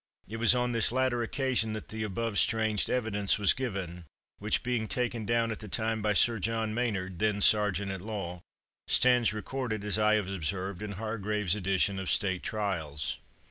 It was on this latter occasion that the above strange evidence was given, which, being taken down at the time by Sir John Maynard, then sergeant at law, stands recorded, as I have observed, in Hargrave's edition of "State Trials."